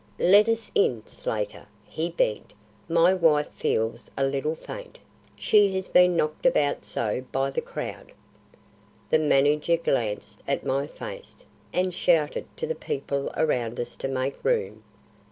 "Let us in, Slater," he begged. "My wife feels a little faint; she has been knocked about so by the crowd." The manager glanced at my face, and shouted to the people around us to make room.